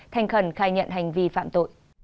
thanh khẩn khai nhận hành vi phạm tội